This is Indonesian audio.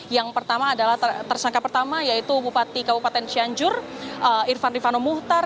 yang pertama adalah tersangka pertama yaitu bupati kabupaten cianjur irfan rifano muhtar